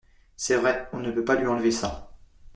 C’est vrai, on ne peut pas lui enlever ça.